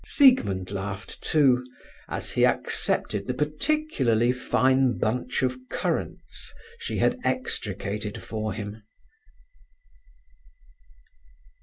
Siegmund laughed too, as he accepted the particularly fine bunch of currants she had extricated for him.